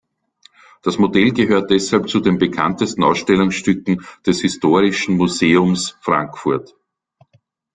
Das Modell gehört deshalb zu den bekanntesten Ausstellungsstücken des Historischen Museums Frankfurt.